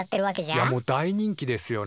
いやもう大人気ですよね。